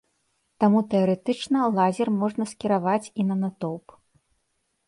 Таму тэарэтычна лазер можна скіраваць і на натоўп.